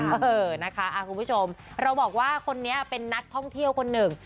เออนะคะคุณผู้ชมเราบอกว่าคนนี้เป็นนักท่องเที่ยวคนหนึ่ง